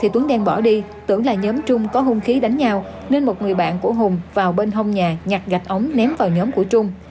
tuấn đen bỏ đi tưởng là nhóm trung có hung khí đánh nhau nên một người bạn của hùng vào bên hông nhà nhặt gạch ống ném vào nhóm của trung